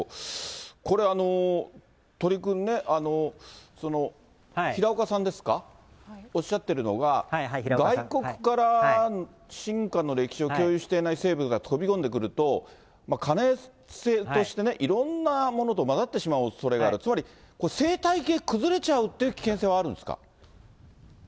これ、鳥くんね、平岡さんですか、おっしゃってるのが、外国から進化の歴史を共有していない生物が飛び込んでくると、可能性として、いろんなものと混ざってしまうおそれがある、つまり、生態系崩れちゃうって危険性はあるんですか。